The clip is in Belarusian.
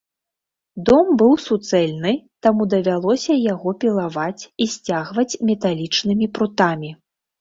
Дом быў суцэльны, таму давялося яго пілаваць і сцягваць металічнымі прутамі.